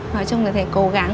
nói chung là phải cố gắng